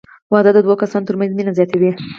• واده د دوه کسانو تر منځ مینه زیاتوي.